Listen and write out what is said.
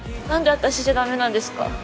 なんで私じゃダメなんですか？